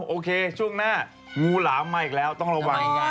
โอเคช่วงหน้างูหลามมาอีกแล้วต้องระวัง